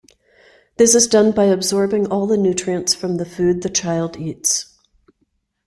This is done by absorbing all the nutrients from the food the child eats.